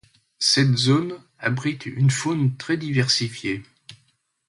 Cette zone abrite une faune très diversifiée.